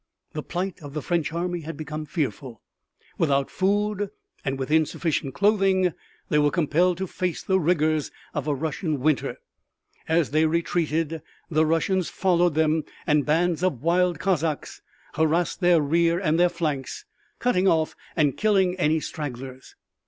The plight of the French army had become fearful. Without food and with insufficient clothing they were compelled to face the rigors of a Russian winter. As they retreated the Russians followed them and bands of wild Cossacks harassed their rear and their flanks, cutting off and killing any stragglers.